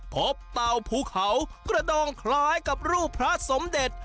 เต่าภูเขากระดองคล้ายกับรูปพระสมเด็จ